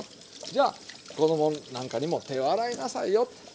じゃ子供なんかにも手を洗いなさいよと。